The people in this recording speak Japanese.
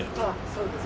そうですか。